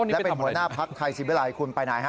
และเป็นหัวหน้าภักดิ์ไทยสิวิลัยคุณไปไหนฮะ